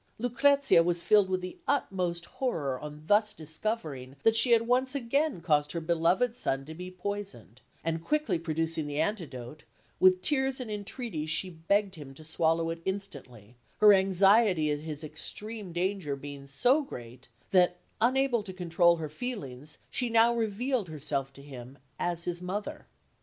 Lucrezia was filled with the utmost horror on thus discovering that she had once again caused her beloved son to be poisoned; and quickly producing the antidote, with tears and entreaties she begged him to swallow it instantly, her anxiety at his extreme danger being so great that, unable to control her feelings, she now revealed herself to him as his mother.